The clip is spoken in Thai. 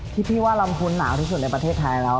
พี่ว่าลำพูนหนาวที่สุดในประเทศไทยแล้ว